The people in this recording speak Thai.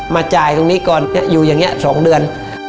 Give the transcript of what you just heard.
จ่ายตรงนี้ก่อนอยู่อย่างนี้๒เดือน